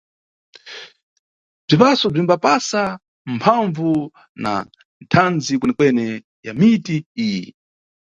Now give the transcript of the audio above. Bzisapo bzimbatipasa mphambvu na thandzi kwenekwene ya miti iyi.